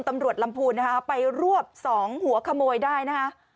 ตำรวจลำพูนนะคะไปรวบสองหัวขโมยได้นะคะ